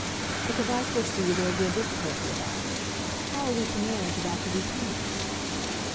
"Because I foresee there'll be a difficulty about it. How are we to manage about the repayment?"